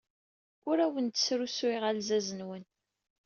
Ur awen-d-srusuyeɣ alzaz-nwen.